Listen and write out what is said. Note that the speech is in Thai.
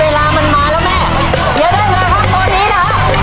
เวลามันมาแล้วแม่เสียได้เลยครับตอนนี้นะฮะ